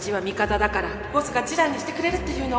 ボスが示談にしてくれるって言うの。